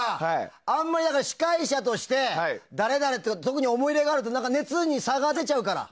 あまり司会者として誰々に特に思い入れがあると熱に差が出ちゃうからね。